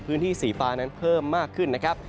พื้นที่สีฟ้านั้นเพิ่มมากขึ้นนะครับ